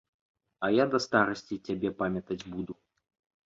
А я да старасці цябе памятаць буду.